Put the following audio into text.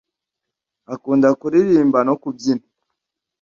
Akunda kuririmba no kubyina.